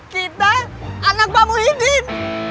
kita anak pak muhyiddin